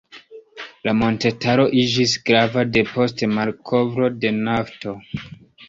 La montetaro iĝis grava depost malkovro de nafto.